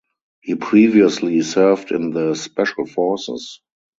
He previously served in the special forces.